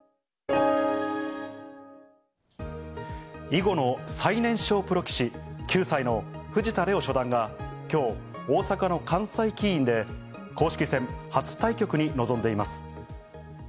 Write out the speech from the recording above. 囲碁の最年少プロ棋士、９歳の藤田怜央初段が今日、大阪の関西棋院で公式戦初対局に臨んでいます。